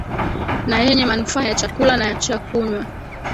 na yenye manufaa ya chakula na cha kunywa